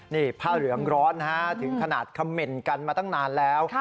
นี่ผ้าเหลืองร้อนถึงขนาดคำเหม็นกันมาตั้งนานแล้ว